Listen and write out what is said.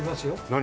何？